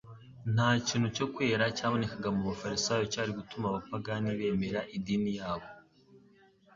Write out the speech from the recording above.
Nta kintu cyo kwera cyabonekaga mu bafarisayo cyari gutuma abapagani bemera idini yabo.